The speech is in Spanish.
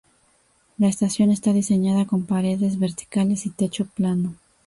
La estación está diseñada con paredes verticales y techo plano.